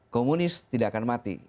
komunis tidak akan mati